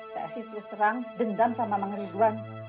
saya sih terus terang dendam sama mang rizwan